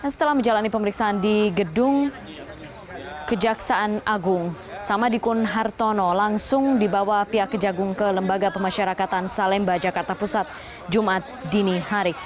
setelah menjalani pemeriksaan di gedung kejaksaan agung samadikun hartono langsung dibawa pihak kejagung ke lembaga pemasyarakatan salemba jakarta pusat jumat dini hari